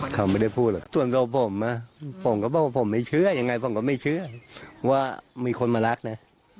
คนโตผมนะผมก็บอกว่าผมไม่เชื่อว่ามีคนมารักนะ